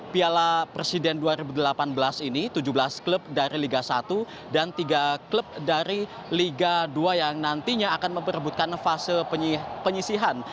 piala presiden dua ribu delapan belas ini tujuh belas klub dari liga satu dan tiga klub dari liga dua yang nantinya akan memperebutkan fase penyisihan